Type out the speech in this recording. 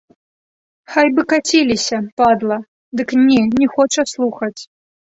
Хай бы каціліся, падла, дык не, не хоча слухаць.